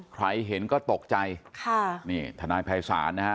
ใครเห็นก็ตกใจค่ะนี่ทนายภัยศาลนะฮะ